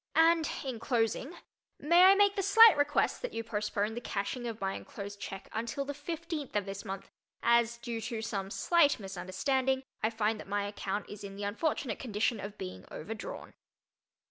And in closing may I make the slight request that you postpone the cashing of my enclosed check until the fifteenth of this month, as, due to some slight misunderstanding, I find that my account is in the unfortunate condition of being "overdrawn."